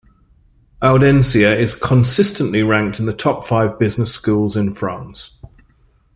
Audencia is consistently ranked in the top five business schools in France.